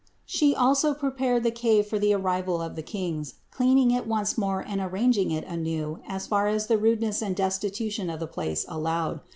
She also prepared the cave for the arrival of the Kings, cleaning it once more and arranging it anew as far as the rudeness and destitution of the place allowed.